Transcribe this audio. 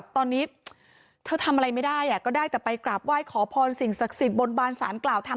ตอนนี้เธอทำอะไรไม่ได้ก็ได้แต่ไปกราบไหว้ขอพรสิ่งศักดิ์สิทธิ์บนบานสารกล่าวทำ